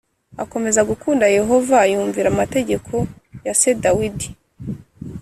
akomeza gukunda Yehova yumvira amategeko ya se Dawidi